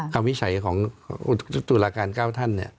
การควินิจฉัยของตุลาการเก้าท่าน